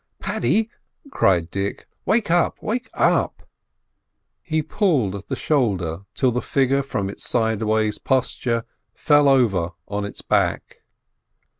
"Paddy," cried Dick, "wake up! wake up!" He pulled at the shoulder till the figure from its sideways posture fell over on its back.